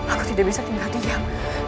aku tidak bisa tinggal diam